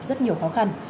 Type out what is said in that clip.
rất nhiều khó khăn